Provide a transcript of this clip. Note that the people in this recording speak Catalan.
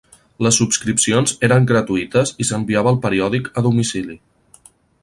Les subscripcions eren gratuïtes i s'enviava el periòdic a domicili.